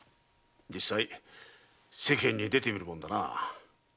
実際世間に出てみるもんだな。